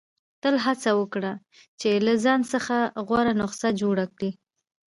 • تل هڅه وکړه چې له ځان څخه غوره نسخه جوړه کړې.